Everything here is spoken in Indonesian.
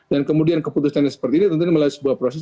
dan kemudian keputusan yang seperti ini tentunya melalui sebuah proses